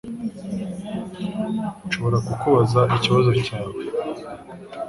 Nshobora kukubaza ikibazo cyawe?